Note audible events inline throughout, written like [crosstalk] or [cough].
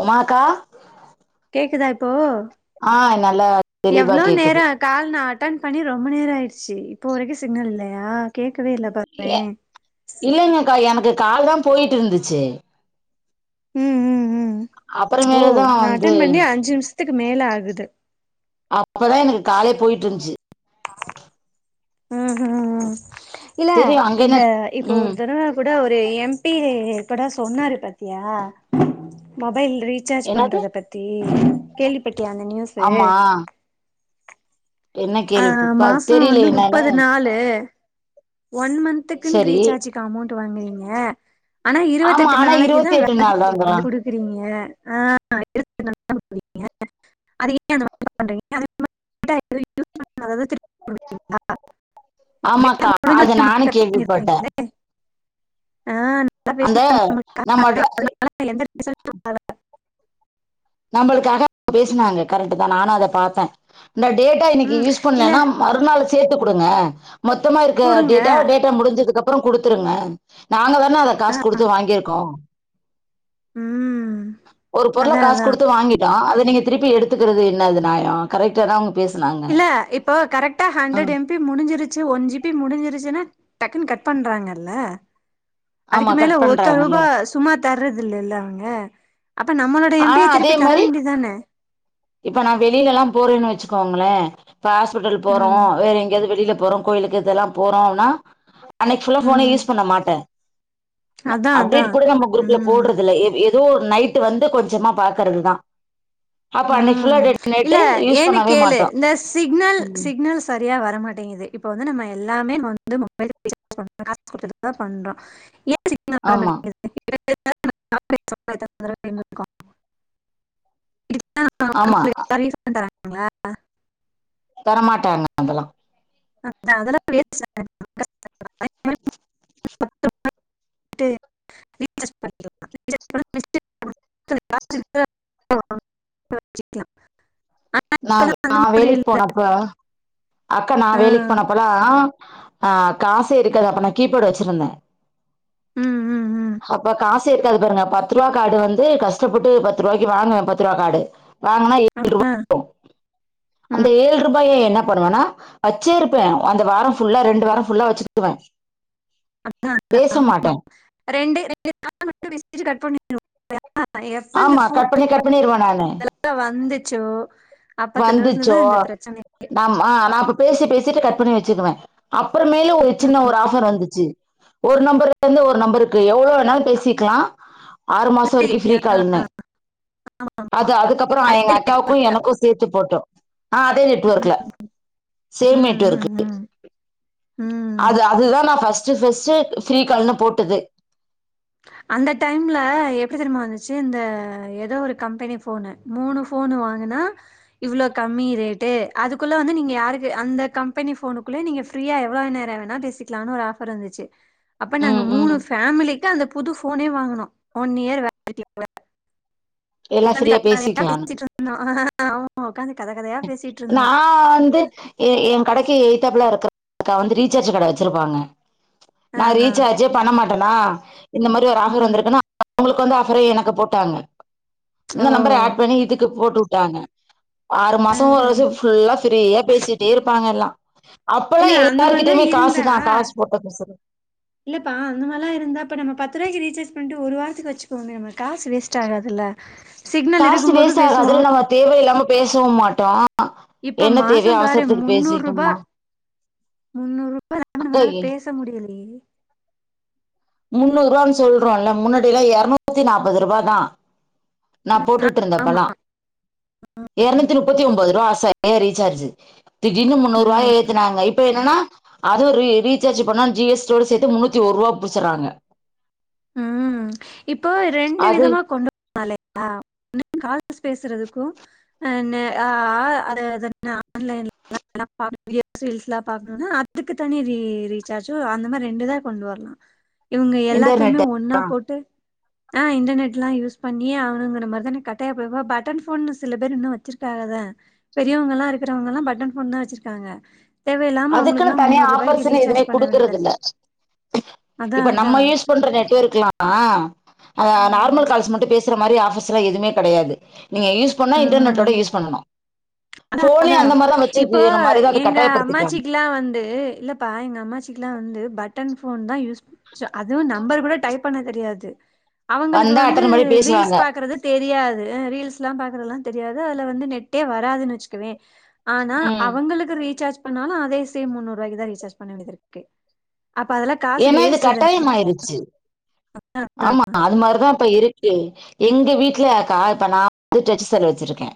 உமாக்கா கேக்குதா இப்போ ஆ நல்லா தெளிவா எவ்ளோ கேக்குது நேரோ கால் நா அட்டன் பண்ணி ரொம்ப நேரம் ஆயிடுச்சு இப்போ வரைக்கு சிக்னல் இல்லயா கேட்கவே இல்ல பாருகலே இல்லங்கக்கா எனக்கு கால் தா போயிட்டு இருந்துச்சு ம் ம் ம் ஓ அப்புறமேல தா நா வந்து அட்டென் பண்ணி அஞ்சு நிமிஷத்துக்கு மேல ஆகுது அப்பதா எனக்கு காலே போயிட்டு இருஞ்ச்சு ம் ஹீ ம் இல்ல சரி அங்க அந்த என்ன இப்ப ஒரு ம் தடவ கூட ஒரு எம் பி கூட சொன்னாரு பாத்யா மொபைல் ரீச் ரீசார்ஜ் என்னது பண்றத பத்தி கேள்விப்பட்டியா அந்த நியூஸ் ஆமா என்ன ஆ கேள்வி பா மாசொ தெரியல வந்து னுப்பது என்னன்னு நாலு ஒன் மந்த்துக்குன்னு சரி ரீசார்ஜ்ஜுக்கு அமௌண்ட் வாங்குரீங்க ஆனா ஆமா இருவத்தெட்டு ஆனா நாளைக்கு தா இருபத்தி எட்டு நாள் வேலிட்டிட்டி தாங்கறா வந்து கொடுக் இருகுறீங்க ஆ [inaudible] அது ஏ அந்த மாரி பண்றீங்க [inaudible] குடுக்குறீங்களா டேட்டா ஆமாக்கா அது முடிஞ்சோனே நானு மட்டு கட் கேள்வி பட்டே பண்ணிறீங்க ஆ நல்லா அந்த பேசுனாக நம்ம [inaudible] நம்மளுக்காக பேசுனாங்க கரெக்ட் தா நானு அத பாத்தே இந்த டேட்டா இன்னைக்கு ம் யூஸ் இல்ல பண்ணலன்னா மறுநாள் சேத்து குடுங்க மொத்தமா இருக்க குடுங்க டேட்டா டேட்டா முடிஞ்சதுக்குப்பு அப்ரோ குடுத்துருங்க நாங்க தான அத ஆ காசு குடுத்து வாங்கிருக்கோ ம் ஒரு பொருள அதா காசு அதா வாங்கிட்டோ அத நீங்க திருப்பி எடுத்துக்கிறது என்னது நாயோ கரெக்ட உங்க இல்ல இப்போ கரெக்டா ஆ, ஹண்டரட் எம் முடிஞ்சிருச்சு ஒன் ஜி பி முடிஞ்சிருச்சுன்னா டக்குன்னு கட் பண்றாங்கல்ல ஆமா அதுக்கு மேல கட் ஓத்த பண்றாங்கல்ல ரூபா சும்மா தர்றது இல்லல்ல அவுங்க அப்ப நம்மளோட எம் பி ஆனா ய அதே திருப்பி தர மாதிரி வேண்டிதான இப்ப நா வெளிலல்லா போறேன்னு வச்சுக்கோங்களே இப்ப ஹாஸ்பிட்டல் போறோ ம் வேற எங்கேயாவது வெளியில போறோ கோயிலுக்கு இதெல்லா போறோன்னா அன்னைக்கு புல்லா போன ம் யூஸ் பண்ண மாட்டே அதா அதா அப்டேட் கூட நம்ம குரூப்ல ம் போடுறதுல்ல எ ஏ ஒரு நைட்டு வந்து கொஞ்சமா பாக்குறது தா ம் இல்ல யூஸ் ஏன்னு பண்ணவே கேளு மாட்டோம் இந்த சிக்னல் ம் சிக்னல் சரியாக வரமாட்டேங்குது இப்போ வந்து நம்ம எல்லாமே வந்து மொபைல் கொடு [inaudible] பண்றோ ஆமா [inaudible] [inaudible] ஆமா ரீஃபண்ட தராங்களா தரமாட்டாங்க அதெல்லா அதா அதெல்லா [inaudible] [inaudible] [inaudible] ஆனா ந இப்பெல்லாம் அந்த நா மாதிரி வேலைக்கு இல்ல போனப்ப அக்கா ஆ, நான் வேலைக்கு போனப்பல்லா ஆ காசே இருக்கது அப்பனா கீபோர்ட் வெச்சிருந்த ம் ம் ம் அப்ப காசே இருக்காது பாருங்க பத்து ரூபா கார்டு வந்து கஷ்டப்பட்டு பத்து ரூபாய்க்கு வாங்குவ பத்து ரூபா கார்டு அதான் டு அந்த ம், ஏழு ரு பைய என்ன பண்ணுவானா வச்சு இருப்பே அந்த வாரோ புல்லா ரெண்டு வாரோ புல்லா வச்சுக்குவ [inaudible] ஆமா கட் பண்ணி கட் பண்ணிருவ நானு ப்ப வந்துச்சோ அப்பத்துல இருந்துதா வந்துச்சோ இந்த பிரச்சன நாம் ஆ நான் இப்ப பேசி பேசிட்டு கட் பண்ணி வெச்சுக்குவ அப்பறமேலு ஒரு ம், சின்ன ஒரு ஆபர் வந்துச்சு ஒரு நம்பர் ந்து ஒரு நம்பருக்கு எவ்ளோ வேணாலு பேசிக்லா ஆறு மாசோ சரி, வரைக்கு ஃப்ரீ ஆ, கால்னு ஆமா ஆமா அது அதுக்கப்ரோ எங்க அதே அக்காவுக்கு நெட்ஒர்க்ல எனக்கு சேத்து போட்டோ ஆ அதே நெட்வொர்க்ல ம் சேம் ம் ம் நெட்வர்க்கு ம் ம் அது அதுதா நா ஃபஸ்டு ஃபஸ்ட்டு ஃப்ரிகால்ன்னு போட்டது அந்த டைம்ல எப்டி தெரிமா இருந்துச்சு இந்த ஏதோ ஒரு கம்பெனி போனு மூணு போனு வாங்குனா இவ்ளோ கம்மி ரேட்டு அதுக்குள்ள வந்து நீங்க யாருக்கு அந்த கம்பெனி ஃபோனுக்குள்ள நீங்க ஃப்ரீயா எவ்வளோ நேரோ வேணா பேசிக்கலானு ஒரு ஆஃபர் இருந்துச்சு அப்ப நாங்க ம் ம் மூணு ஃபேமிலிக்கு அந்த புது போனே வாங்குனோ ஒன் இயர் வேலிடிட்டி எல்லா ஃப்ரீயா பேசிக்கலானு அ [unintelligible] ஆமா உக்காந்து கத கதயா நா பேசிட்ருந்தோ வந்து எ எ கடைக்கு எதுத்தாப்புல இருக்கக்க வந்து ரீசார்ஜ் கட வெச்சிருப்பாங்க நா ஆஹா. ரீசார் ஜ்ஜே பண்ண மாட்டனா இந்த மாரி ஒரு ஆஃபர் ம். வந்துருக்குன்னு அவங்களுக்கு வந்து ஆஃபரே எனக்கு போட்டாங்க ஓ! இந்த நம்பர் ஆட் பண்ணி இதுக்கு போட்டு விட்டாங்க ஆறு மாசோ ஒரு ம்ஹ்ம். வருசோ ஃபுல்லா ஃப்ரீயா பேசிட்டே இருப்பாங்க எல்லா அப்போ இல்ல அந்த எல்லாரு மாரிலாம் கிட்டயுமே இருந்தா காசுதா காசு போட்ட பேசுற இல்லப்பா அந்த மாரிலா இருந்தா இப்ப நம்ம பத்து ரூபாய்கு ரீசார்ஜ் பண்ட்டு ஒரு வாரத்துக்கு வெச்சுக்குவோமே நம்ம காசு வேஸ்ட் ஆகாதுல்ல சிக்னல் காசு இருக்கும்போது வேஸ்ட் ஆகாது பேசுவோ நம்ம தேவயில்லாம பேசவு மாட்டோ இப்ப என்ன தேவயோ மாசம் பாரு ஆவசரத்துக்கு முன்னூறு ரூபா பேசிட்டமா முன்னூறு ரூபா இல்லாம நம்மனால பேச முடியலையே முன்னூறு ரூபானு சொல்றோன்ல்ல முன்னாடியல்லா எரநூத்தி நாப்பது ரூபாதா நா போட்டுட் ஆமா டுருந்தப்பல்லா இரநூத்தி முப்பத்தி ஒன்பது ரூபா ஆசைய ரீசார்ஜ்ஜு திடிருனு முன்னூறுரூபா ம் ஏத் துனாங்க இப்ப என்னன்னா அது ரி ரீசார்ஜ் பண்ண ஜி எஸ் டி யோட சேத்து முன்னூத்தி ஒரு ரூபா புடிச்சறாங்க ம் இப்போ ரெண்டு அது விதமா கொண்டு [inaudible] பேசறதுக்கு அ அ அது ஆன்லைன் [inaudible] பாக்கணும் அதுக்கு தனி ரீ ரீசார்ஜ்ஜூ அந்த மாரி ரெண்டு இதா கொண்டு வர்லா இவங்க எல்லாத்தையுமே இன்டர்நெட்ட ஒன்னா போட்டு ஆ இடர்நெட்லா யூஸ் பண்ணி அவனுங்க மருதானனை கட்டையா போப்ப பட்டன் ஃபோன்னு சில பேர் இன்னு வெச்சிருக்காகத பெரியவங்க ல்லா இருக்கறவங்க ல்லா பட்டன் போணு தா வச்சிருக்காங்க தேவயில்லாம அவ்ங்களுக்குலா அதுக்குன்னு தனியா முன்னூறுபாய்க்கி ஆஃபர்ஸ்ன்னு எதுவுமே ரீசார்ஜ் பண்ண வேண்டிதா குடுக்கறது இல்ல இருக்கு அதா அதா பொண்ற நெட்ஒர்க்லா அது நார்மல் ம் கால்ஸ் மட்டு பேஸ் ர்ர மாரி ஆபர்ஸ் எல்லா எதுமே கெடயாது நீங்க யூஸ் பண்ணா இன்டர்நெட்டோட ம் யூஸ் பண்ணனு அதா போனே அந்த மாரிதா வச்சுடு நம்மருக அது கட்டாயப்படுத் ல்லா வந்து இல்லப்பா எங்க அம்மாச்சில்லா வந்து பட்டன் போன் தா யூஸ் ச்சு அதுவு நம்பர் கூட டைப் பண்ண தெரியாது அவ்ங்களுக்கு வந்தா வந்து அட்டன் பண்ணி ரீல்ஸ் பேசுவாங்க பாக்குறது தெரியாது அ ரீல்ஸ் ல்லா பாக்குறதுலா தெரியாது அதுல வந்து நெட்டே வராதுன்னு வச்சுக்கவே ஆனா ம். அவங்களுக்கு ரீசார்ஜ் பண்ணாலு அதே சேம் முன்னூறுபாய்க்கு தா ரீசார்ஜ் பண்ண வேண்டியதுருக்கு அப்ப அதெல்லா க ஏன்னா இது கட்டாயமாயிருச்சி ஆமா அது மாரிதா இப்ப இரு க்கு எங்க வீட்லயாக்கா இப்ப நா வந்து டச்சு செல்லு வச்சிருக்கே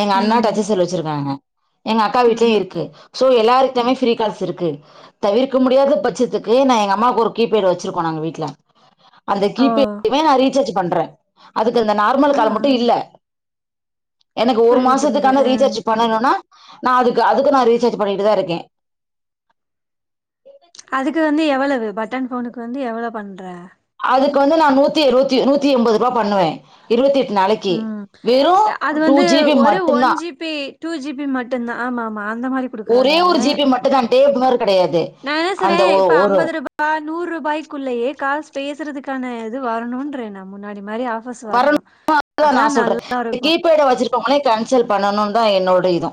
எங்க அண்ணா ம் டச்சு செல்லு வச்சுருக்காங்க எங்க அக்கா வீட்லயு ம்ஹும் இருக்கு சோ எல்லாருகிட்டமே ஃப்ரீ கால்ஸ் இருக்கு தவிர்க்க முடியாத பட்சத்துக் கு நா எங்க அம்மாக்கு ஒரு கீபேட் வச்சிருக்கோ நாங்க வீட்டுல அந்த ஓ கீபேமே நா ரீசார்ஜ் பண்றே அதுக்கு இந்த நார்மல் ஆ கால் மட்டு இல்ல எனக்கு ஒரு புரியுது புரியுது மாசத்துக்கான ஆ ரீசார்ஜ் பண்ணனுனா நா அதுக்கு அதுக்கு நா ரீசார்ஜ் பண்ணிட்டுதா இருக்கே அதுக்கு வந்து எவ்வளவு பட்டன் ஃபோனுக்கு வந்து எவ்வளோ பண்ற அதுக்கு வந்து நா நூத்தி இருவத்தி நூத்தி எம்பது ருவா பண்ணுவே இருவத்தி எட்டு நாளைக் ம் அது வந்து ஒரு ஒன் மட்டுந்தா ஜிபி டூ ஜிபி மட்டுந்தா ஆமா ஆமா அந்த மாரி ஒரே குடுக்குறாங்க ஒரு ஜிபி மட்டுந் தா டேப் மாரி கெடயாது நா என்ன செல்றே இப்ப அம்பது ருபா கா நூறு ரூபாய்க்குள்ளேயே கால்ஸ் பேசுறதுக்கான இது வரணுன்றே நா முன்னாடி மாரி ஆக் ஃபஸ் வர வரணு அப்பதா நல்லா இருக்கு சோ ஒங்களையு கேன்சல் பன்னனுன்தா என்னோட இது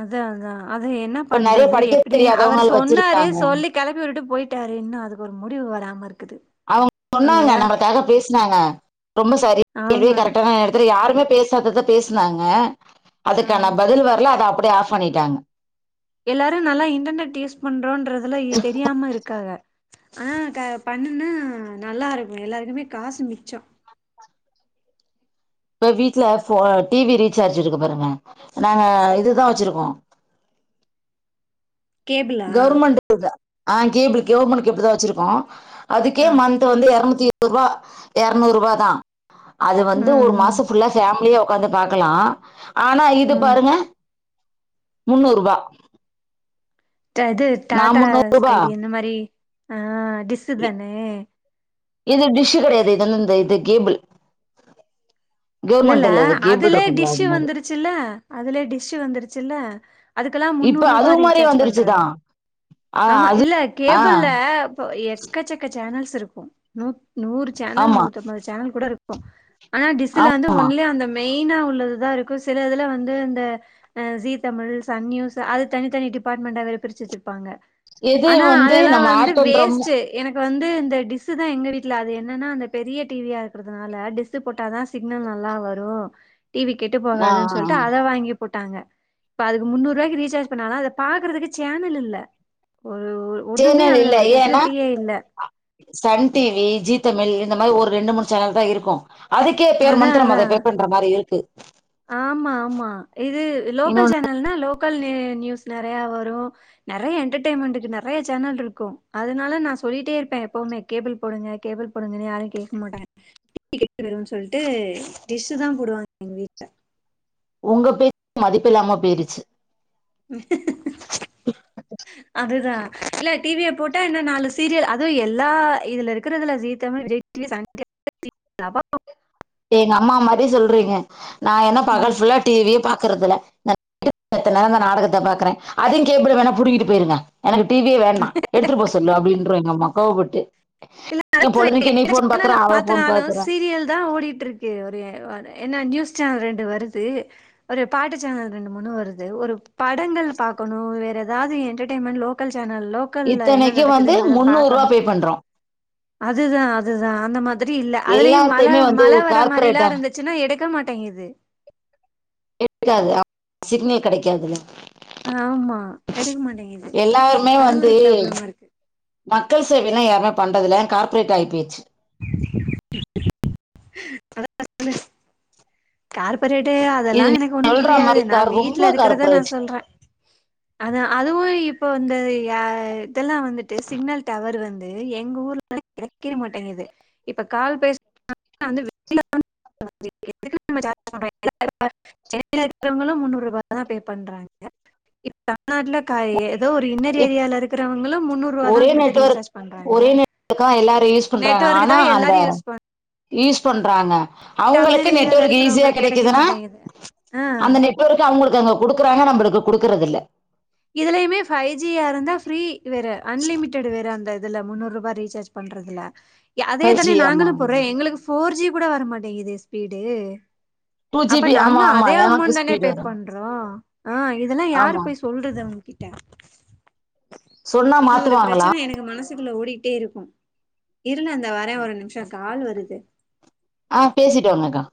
அதா அதா அது என்ன இப்ப நெறைய பண்றது படிக்க எப்புடினு அவரு தெரியாதவங்கள் சொன்னாரு வச்சிருக்காங்க சொல்லி கெளப்பி விட்டுடு போயிட்டாரு இன்னு அதுக்கு ஒரு முடிவு வராம இருக்குது அவ்க சொன்னாங்க இல்லையா நம்மக்காக பேசினாங்க ரொம்ப சரி இதே ஆமா கரெக்டா தா இருக் த்ரு யாருமே பேசாதத பேசுனாங்க அதுக்கான பதில் வர்ல அத அப்டியே ஆஃப் பண்ணிட்டாங்க எல்லாரு நல்லா இன்டர்நெட் யூஸ் பண்றோன்றதுல தெரியாம இருக்காக ஆ க பண்ணுனா நல்லா இருக்கு எல்லாருக்குமே காசு மிச்சோ இப்போ வீட்டுல டிவி ரீசார்ஜ் இருக்கு பாருங்க நாங்க ம் இதுதா வச்சுருக்கோ கேபிளா கவ்ர்மெண்ட் கேதா ஆ கேபிள் கெவ்ர்மெண்ட் கேபி தா வச்சிருக்கோ அதுக்கே ஆ மந் கே வந்து எருநூத்திஇருவோறுவா எருரநூறுவா தா அது ம் வந்து ஒரு ம் மாசம் புல்லா பேமிலியா உக்காந்து பாக்கலா ஆனா இது ம் பாருங்க முன்னூறுவா ட்டே இது நா டாடா முன்னூரூபா ஸ்கை இந்த மாரி ஆ டிஸ்ஸு தானே இது டிஷ்ஷு கெடையாது இதது இந்த இது கேபிள் கெவ்ர்மெண்ட் இல்லது கேபிள் இருக்குங்கள அது மாரி ச்சுல அதுல டிஸ் வந்துருச்சுல்ல அதுக்கெல்லா இப்ப முன்னூறுபா அதுவு மாரி ரீசார்ஜ் வந்துருச்சுதா பண்றது ஆ ஆமா அது இல்ல ஆ கேபிள்ல ப்ப எ எக்கச்சக்க சேனல்ஸ் இருக்கு நூ நூறு சேனல் ஆமா நூத்தம்பது சேனல் கூட இருக்கு ஆனா டிஸ் ன்த்துல வந்து ஆமா ஒன்லே அந்த மெயினா உள்ளதுதா இருக்கு சில இதுல வந்து அந்த அ ஜி தமிழ் சன் நியூஸ் அது தனித்தனி டிபார்ட்மெண்டா வேற பிரிச்சு வச்சுருப்பாங்க எது ஆனா வந்து அதெல்லா நம்ம வந்து ஆட் பண்றோமோ வேஸ்ட்டு எனக்கு வந்து இந்த டிஷ் தா எங்க வீட்ல அது என்னன்னா அந்த பெரிய டி வி யா இருக்கறதுனால டிஷ் போட்ட தா சிக்னல் நல்லா வரும் டி வி கெட்டு ஆ போகாதுன்னு ஆ ஆ சொல்லிட்டு அத வாங்கி போட்டாங்க இப்ப அது முன்னூறு ரூபாய்க்கு ரீசார்ஜ் பண்ணாலும் அத பாக்குறதுக்கு சேனல் இல்ல ஒரு ஒன்னுமே சேனல் அதுல இல்ல ஒரு ஏன்னா ஃபசிலிட்டியே இல்ல சன் டிவி ஜி தமிழ் இந்த மாரி ஒரு ரெண்டு மூணு சேனல் தா இருக்கு அதுக்கே பேர் அதான் மந்திரம் அத அதான். பே பண்ற மாதிரி இருக்கு ஆமா ஆமா இது லோக்கல் இன்னொன்னு சேனல்னா லோக்கல்நியூ நியூஸ் நிறையா வரு நிறைய என்டர்டையன்மென்ட்டுக்கு நிறைய சேனல் இருக்கு அதனால நா சொல்லிட்டே இருப்பே எப்பவுமே கேபிள் போடுங்க கேபிள் போடுங்கன்னு யாரு கேட்க மாட்டாங்க [inaudible] சொல்லிட்டு டிஷ் தா போடுவாங்க எங்க வீட்டு உங்க பேசு மதிப்பில்லாம போயிருச்சி அதுதா இல்ல டி வி ய போட்டா இன்னு நாலு சீரியல் அதுவு எல்லா இதுல இருக்குறதுல ஜீ தமிழ் விஜய் [inaudible] [inaudible] எங்க அம்மா மாரி சொல்றீங்க நா என்ன பகல் ஃபுல்லா டி வி யே பாக்குறது இல் இந்த எத்தன் நாள் இந்த நாடகத்த பாக்குறே அதுவு கேபிள வேணா புடுங்கிட்டு போயிருங்க எனக்கு டி வி யே வேணா எடுத்துட்டு போக சொல்லு அப்டின்றோ எங்க அம்மா கோவப்பட்டு [inaudible] எங்க பொழுதுக்கு நீ எத்தன ஃபோன் பாக்குற சேனல அவ ஃபோன் மாத்துனாலு பாக்குறா சீரியல் தா ஓடிட்டு இருக் ஓகே ஒரு ஒரு என்ன நியூஸ் சேனல் ரெண்டு வருது ஒரு பாட்டு சேனல் ரெண்டு மூணு வருது ஒரு படங்கள் பாக்கணம் வேறு எதாவது என்டர்டெயின்மெண்ட் லோக்கல் சேனல் லோக் இத்தனைக்கு வந்து முன்னூறு ரூபா பே பண்றோம் அதுதா அதுதா அந்த மாதிரி இல்ல அதுலயு எல்லாத்தையுமே வந்து மழமழ வர மாதிரில்லா கார்பரேட்டா இருந்துச் சின்னா எடுக்க மாட்டேங்குது எடுக்காது சிக்னல் கெடைக்காதுல ஆமா எடுக்க மாட்டேங்குது எல்லாருமே அது வந்து ஒரு ப்ராப்ளமா இருக்கு மக்கள் சேவைலா யாருமே பண்றது இல்ல கார்ப்பரேட் ஆகி போச்சி [inaudible] கார்பரேட்டே அதெல்லா இது நீ எனக்கு ஒன்னு சொல்ற புரியாது மாரி நா கார் ரொம்ப வீட்ல இருக்கறத நா கார்பரேட் சொல்ற அதா அதுவு இப்ப வந்து யா இதெல்லா வந்துட்டு சிக்னல் டவர் வந்து எங்க ஊர்ல வேற கெடைக்கவே மாட்டேங்குது இப்ப கால் பேஸ் [inaudible] வந்து வெளியில வந்தா தா வருது [inaudible] சென்னையில இருக்குறவங்களு முன்னூறு ரூபா தா பே பண்றாங்க இப்ப தமிழ்நாட்டுல கா ஏது ஏதோ ஒரு இன்னர் இப் ஏரியால இருக்கறவங்களு முன்னூறு ரூபா தா ஒரே குடுத்து நெட்வொர்க் ரீசார்ஜ் பண்றாங்க ஒரே நெட்வொர்க்கா எல்லாரும் யூஸ் பண்றாங்க நெட்வொர்க்கு ஆனா தா அந்த எல்லாரு யூஸ் பண் யூஸ் பண்றாங்க அவுங்களுக்கு இன்னர் ஏரியால நெட்வொர்க் ஈஸியா இருக்கிறவங்களுக்கு கெடைக்க கெடைக்குதுன்னா மாட்டேங்குது ஆ அந்த நெட் வொர்க்கு அவுங்களுக்கு அங்க குடுக்குறாங்க நம்மளுக்கு குடுக்குறதில்ல இதுலயுமே ஃபைவ் ஜியா இருந்தா ஃப்ரீ வேற அன்லிமிடட் வேற அந்தது இதுல முன்னூறு ரூபா ரீசார்ஜ் பண்றதுல அதே ஃபைவ் தானே ஜி ஆமா நாங்களு போட்றோ எங்களுக்கு ஃபோர் ஜி கூட வரமாட்டேங்குதே ஸ்பீடு டூ அப்ப ஜிபி ஆமா நாங்களு ஆமா அதே எனக்கு அமௌண்ட் தானே ஸ்பீடு பே வரும் பண்றோ ஆ இதெல்லா யாரு ஆமா போய் சொ சொல்றது அவுங்கிட்ட சொன்னா இது ஒரு மாத்துவாங்களா பிரச்சன ம் எனக்கு மனசுக்குள்ள ஓடிட்டே இருக்கும் இரு நா இந்தா வரே ஒரு நிம்ஷோ கால் வருது ஆ பேசிட்டு வாங்கக்கா